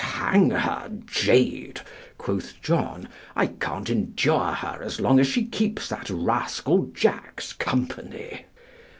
"Hang her, jade," quoth John, "I can't endure her as long as she keeps that rascal Jack's company."